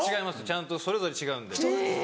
ちゃんとそれぞれ違うんで。